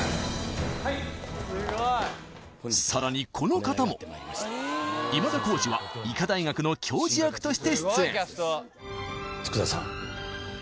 はいさらにこの方も今田耕司は医科大学の教授役として出演佃さん